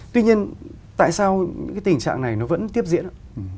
tuy nhiên tại sao cái tình trạng này nó vẫn tiếp diễn ạ